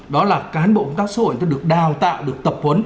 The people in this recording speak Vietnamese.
đó là cán bộ công tác xã hội người ta được đào tạo được tập huấn